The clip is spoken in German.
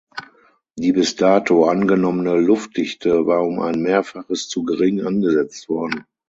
Die bis dato angenommene Luftdichte war um ein mehrfaches zu gering angesetzt worden.